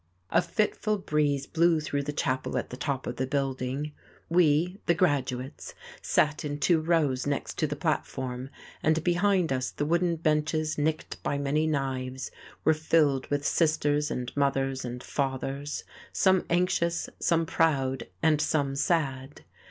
A fitful breeze blew through the chapel at the top of the building; we, the graduates, sat in two rows next to the platform, and behind us the wooden benches nicked by many knives were filled with sisters and mothers and fathers, some anxious, some proud and some sad.